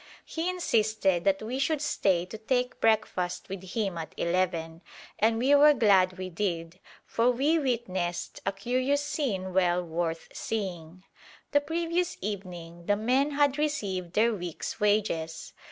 He insisted that we should stay to take breakfast with him at eleven, and we were glad we did, for we witnessed a curious scene well worth seeing. The previous evening the men had received their week's wages.